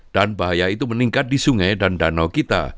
dan bahaya itu meningkat di sungai dan danau kita